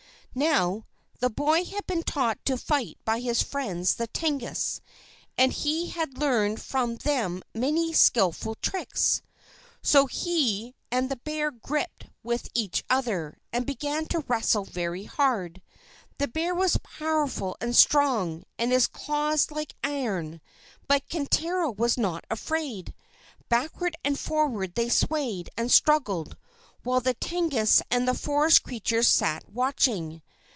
Now, the boy had been taught to fight by his friends the Tengus; and he had learned from them many skilful tricks. So he and the bear gripped each other, and began to wrestle very hard. The bear was powerful and strong, and his claws like iron, but Kintaro was not afraid. Backward and forward they swayed, and struggled, while the Tengus and the forest creatures sat watching.